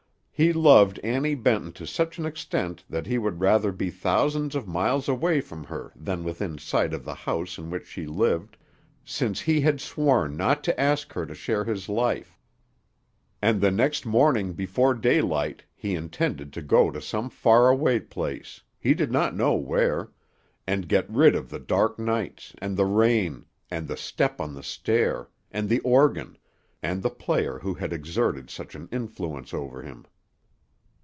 He loved Annie Benton to such an extent that he would rather be thousands of miles away from her than within sight of the house in which she lived, since he had sworn not to ask her to share his life; and the next morning before daylight he intended to go to some far away place, he did not know where, and get rid of the dark nights, and the rain, and the step on the stair, and the organ, and the player who had exerted such an influence over him.